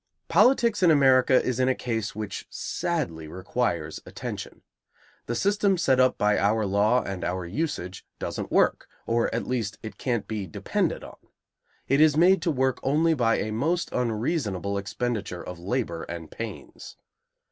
Politics in America is in a case which sadly requires attention. The system set up by our law and our usage doesn't work, or at least it can't be depended on; it is made to work only by a most unreasonable expenditure of labor and pains.